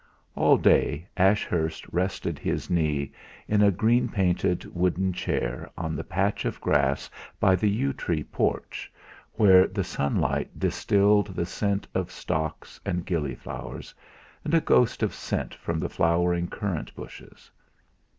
All day Ashurst rested his knee, in a green painted wooden chair on the patch of grass by the yew tree porch, where the sunlight distilled the scent of stocks and gillyflowers, and a ghost of scent from the flowering currant bushes.